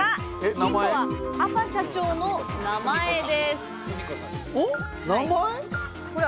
ヒントはアパ社長の名前です。